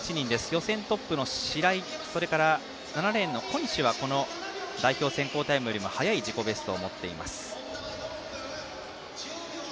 予選トップの白井それから、７レーンの小西はこの代表選考タイムよりも速い自己ベストを持っています。